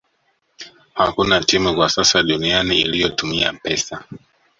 Hakuna timu kwa sasa duniani iliyotumia pesa